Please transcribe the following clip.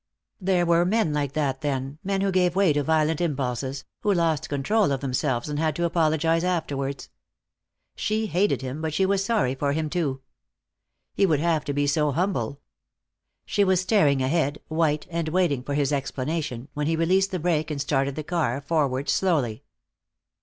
There were men like that, then, men who gave way to violent impulses, who lost control of themselves and had to apologize afterwards. She hated him, but she was sorry for him, too. He would have to be so humble. She was staring ahead, white and waiting for his explanation, when he released the brake and started the car forward slowly.